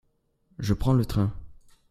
Je prends le train.